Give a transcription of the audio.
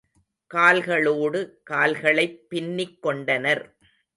கால்களோடு கால்களைப் பின்னிக் கொண்டனர்.